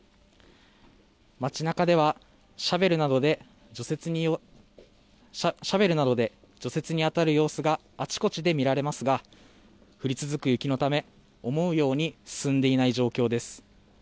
街なかではシャベルなどで除雪にあたる様子があちこちで見られますが、降り続く雪のため思うように進んでいない状況です。